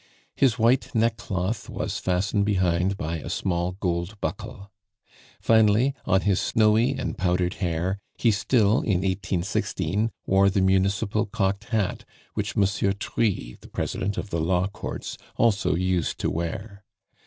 His white neckcloth was fastened behind by a small gold buckle. Finally, on his snowy and powdered hair, he still, in 1816, wore the municipal cocked hat which Monsieur Try, the President of the Law Courts, also used to wear.